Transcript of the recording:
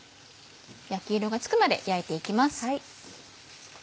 焼き色がつくまで焼いて行きます。